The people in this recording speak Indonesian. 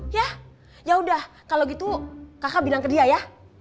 ya yaudah kalau gitu kakak bilang ke dia ya